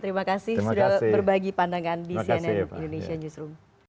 terima kasih sudah berbagi pandangan di cnn indonesia newsroom